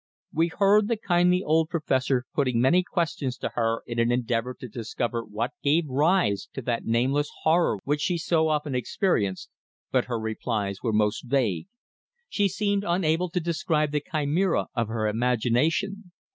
We heard the kindly old Professor putting many questions to her in an endeavour to discover what gave rise to that nameless horror which she so often experienced, but her replies were most vague. She seemed unable to describe the chimera of her imagination.